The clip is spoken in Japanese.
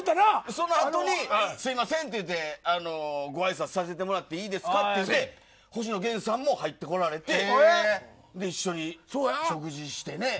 その後すいませんってごあいさつさせてもらっていいですかって星野源さんも入って来られて一緒に食事して。